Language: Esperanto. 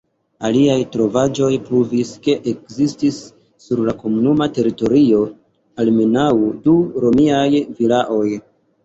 Aliaj trovaĵoj pruvis, ke ekzistis sur la komunuma teritorio almenaŭ du romiaj vilaoj.